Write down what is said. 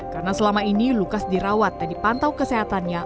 karena selama ini lukas dirawat dan dipantau kesehatannya